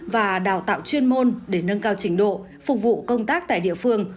và đào tạo chuyên môn để nâng cao trình độ phục vụ công tác tại địa phương